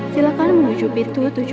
silakan menuju pintu tujuh belas